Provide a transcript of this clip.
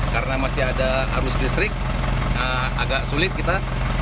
karena masih ada arus listrik agak sulit kita